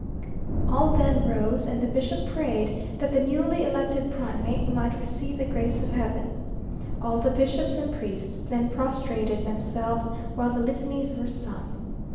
All then rose, and the bishop prayed that the newly elected primate might receive the grace of heaven. All the bishops and priests then prostrated themselves while the Litanies were sung.